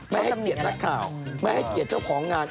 ไม่ให้เกียรตินักข่าวไม่ให้เกียรติเจ้าของงาน